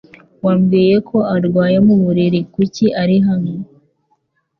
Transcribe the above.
Wambwiye ko arwaye mu buriri. Kuki ari hano?